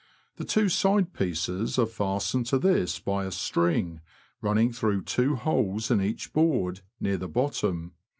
The two side pieces are fastened to this by a string, running through two holes in each board, near the bottom.